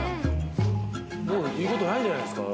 もう言うことないんじゃないですか？